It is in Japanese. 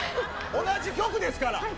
同じ局ですから。